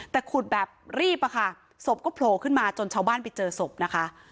แต่ขุดแบบรีบอะค่ะศพก็โผล่ขึ้นมาจนชาวบ้านไปเจอศพนะคะ